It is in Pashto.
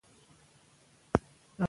سیاسي اختلاف د ټولنې قوت دی